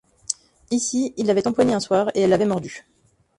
Ici, il l’avait empoignée un soir, et elle l’avait mordu.